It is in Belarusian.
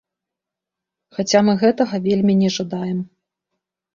Хаця мы гэтага вельмі не жадаем.